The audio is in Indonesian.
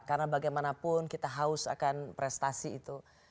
karena bagaimanapun kita haus akan prestasi itu